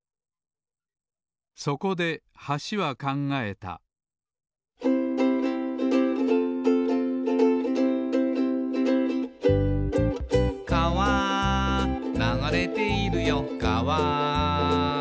そこで橋は考えた「かわ流れているよかわ」